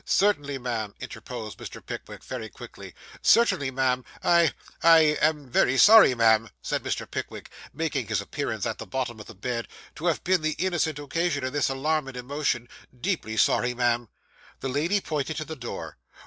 'Certainly, ma'am,' interposed Mr. Pickwick, very quickly. 'Certainly, ma'am. I I am very sorry, ma'am,' said Mr. Pickwick, making his appearance at the bottom of the bed, 'to have been the innocent occasion of this alarm and emotion; deeply sorry, ma'am.' The lady pointed to the door.